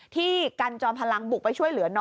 ที่กันจอมพลังบุกไปช่วยเหลือน้อง